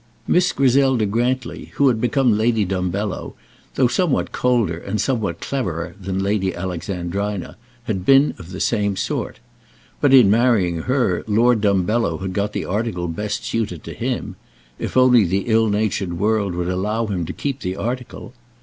Miss Griselda Grantly, who had become Lady Dumbello, though somewhat colder and somewhat cleverer than Lady Alexandrina, had been of the same sort. But in marrying her, Lord Dumbello had got the article best suited to him; if only the ill natured world would allow him to keep the article.